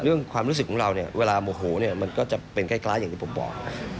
ความรู้สึกของเราเนี่ยเวลาโมโหเนี่ยมันก็จะเป็นคล้ายอย่างที่ผมบอก